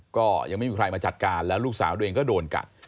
ก็ยังไม่มีใครมาจัดการแล้วลูกสาวตัวเองก็โดนกัด